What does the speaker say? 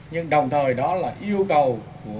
nhưng đồng thời đó là yêu cầu tự thân ở mỗi doanh nghiệp